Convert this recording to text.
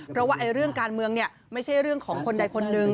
เพราะว่าเรื่องการเมืองไม่ใช่เรื่องของคนใดคนหนึ่ง